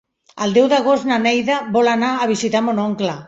El deu d'agost na Neida vol anar a visitar mon oncle.